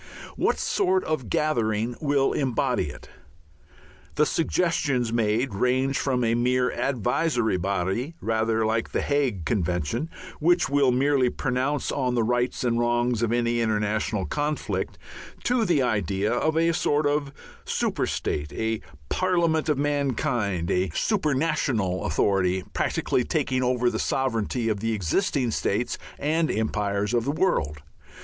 What sort of gathering will embody it? The suggestions made range from a mere advisory body, rather like the Hague convention, which will merely pronounce on the rights and wrongs of any international conflict, to the idea of a sort of Super State, a Parliament of Mankind, a "Super National" Authority, practically taking over the sovereignty of the existing states and empires of the world.